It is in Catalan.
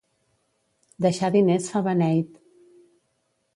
Deixar diners fa beneit.